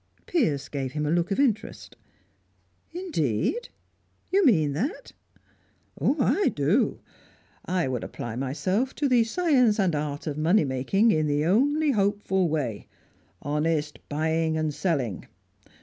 Piers gave him a look of interest. "Indeed? You mean that?" "I do. I would apply myself to the science and art of money making in the only hopeful way honest buying and selling.